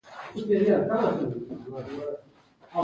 زه دا واييم که دغه ژوند وي